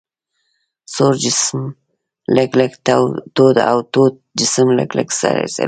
سوړ جسم لږ لږ تود او تود جسم لږ لږ سړیږي.